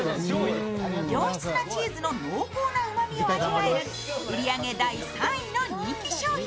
良質なチーズの濃厚なうまみを味わえる売り上げ第３位の人気商品。